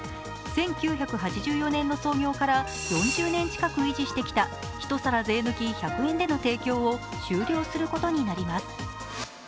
１９８４年の創業から４０年近く維持してきた１皿税抜き１００円での提供を終了することになります。